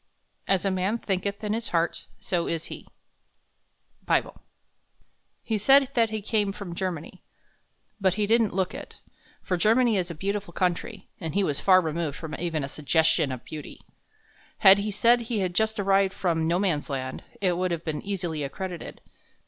As a man thinketh in his heart, so is he. Bible. Our Friend, The Anarchist He said that he came from Germany, but he didn't look it, for Germany is a beautiful country, and he was far removed from even a suggestion of beauty. Had he said he had just arrived from "No Man's Land," it would have been easily accredited.